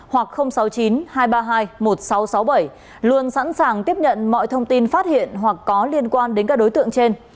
hoặc sáu mươi chín hai trăm ba mươi hai một nghìn sáu trăm sáu mươi bảy luôn sẵn sàng tiếp nhận mọi thông tin phát hiện hoặc có liên quan đến các đối tượng trên